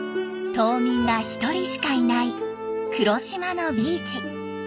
島民が１人しかいない黒島のビーチ。